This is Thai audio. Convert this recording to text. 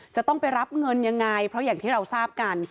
จะต้องไปรับเงินยังไงเพราะอย่างที่เราทราบกัน